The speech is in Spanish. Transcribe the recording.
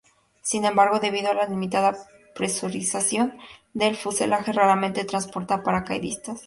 Sin embargo, debido a la limitada presurización del fuselaje, raramente transporta a paracaidistas.